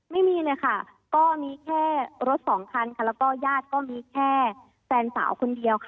ไม่มีเลยค่ะก็มีแค่รถสองคันค่ะแล้วก็ญาติก็มีแค่แฟนสาวคนเดียวค่ะ